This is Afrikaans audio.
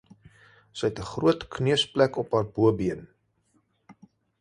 Sy het 'n groot kneusplek op haar bobeen.